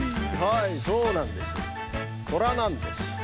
はいそうなんです。